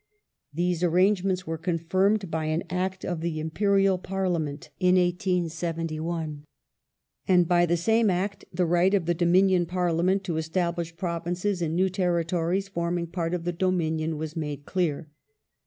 These an*angements were confirmed by an Act of the Imperial Parliament^ in 1871, and by the same Act the right of the Dominion Pai'liament to establish Provinces in new territories forming part of the Dominion was made cleai*.